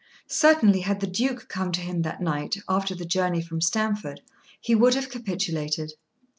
Certainly had the Duke come to him that night, after the journey from Stamford, he would have capitulated.